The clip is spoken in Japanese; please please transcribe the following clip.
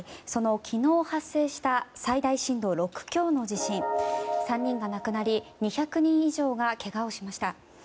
昨日、発生した最大震度６強の地震３人が亡くなり２００人以上がけがをしました。